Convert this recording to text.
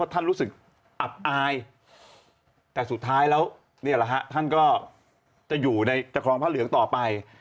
ท่านรู้สึกอับอายแต่สุดท้ายแล้วนี่แหละฮะท่านก็จะอยู่ในตะครองพระเหลืองต่อไป